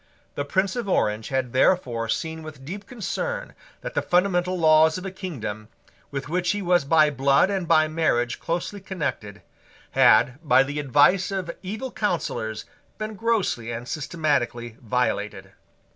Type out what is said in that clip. The Prince of Orange had therefore seen with deep concern that the fundamental laws of a kingdom, with which he was by blood and by marriage closely connected, had, by the advice of evil counsellors, been grossly and systematically violated.